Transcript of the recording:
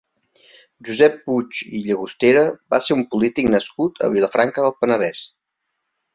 Josep Puig i Llagostera va ser un polític nascut a Vilafranca del Penedès.